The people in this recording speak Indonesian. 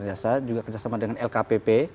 raja saha juga kerjasama dengan lkpp